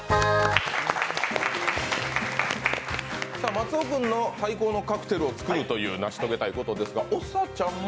松尾君の最高のカクテルを作るという成し遂げたいことですが長ちゃんも？